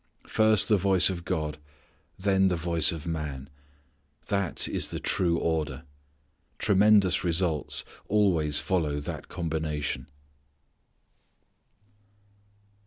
First the voice of God, then the voice of man. That is the true order. Tremendous results always follow that combination.